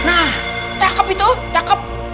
nah cakep itu cakep